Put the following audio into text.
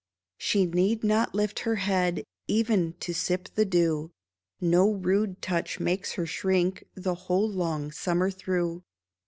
She need not lift her head Even to sip the dew ; No rude touch makes her shrink The whole long summer through.